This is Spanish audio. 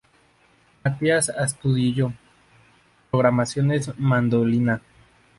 Matías Astudillo: Programaciones, mandolina.